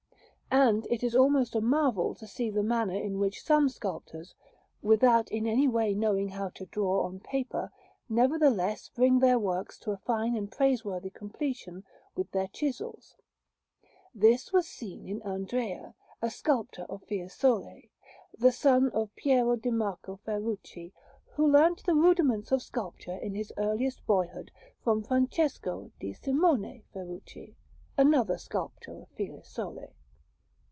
And it is almost a marvel to see the manner in which some sculptors, without in any way knowing how to draw on paper, nevertheless bring their works to a fine and praiseworthy completion with their chisels. This was seen in Andrea, a sculptor of Fiesole, the son of Piero di Marco Ferrucci, who learnt the rudiments of sculpture in his earliest boyhood from Francesco di Simone Ferrucci, another sculptor of Fiesole.